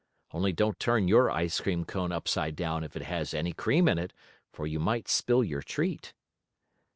Only don't turn your ice cream cone upside down if it has any cream in it, for you might spill your treat.